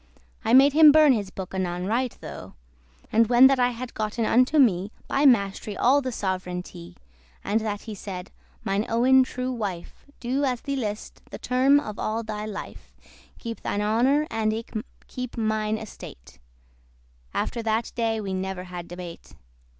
I made him burn his book anon right tho.* *then And when that I had gotten unto me By mast'ry all the sovereignety, And that he said, "Mine owen true wife, Do *as thee list,* the term of all thy life, *as pleases thee* Keep thine honour, and eke keep mine estate; After that day we never had debate.